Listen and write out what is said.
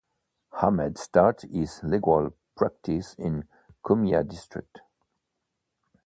Ahmed started his legal practice in Comilla District.